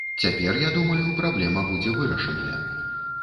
Цяпер, я думаю, праблема будзе вырашаная.